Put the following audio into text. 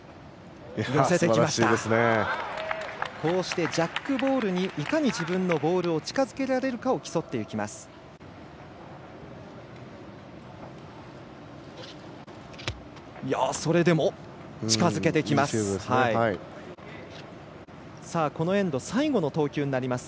こうしてジャックボールにいかに自分のボールを近づけられるかを競っていきます。